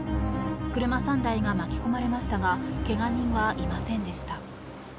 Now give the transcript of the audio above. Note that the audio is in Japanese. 車３台が巻き込まれましたがけが人はいませんでした。